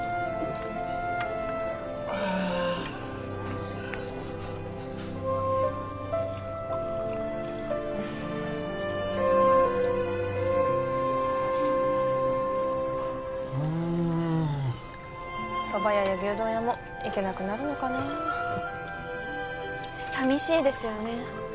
ああうんそば屋や牛丼屋も行けなくなるのかな寂しいですよね